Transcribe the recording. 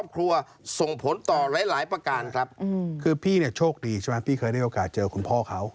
คือพี่เนี่ยโชคดีใช่ไหมพี่เคยได้โอกาสเจอคุณพ่อเขา